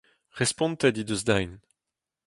Respontet he deus din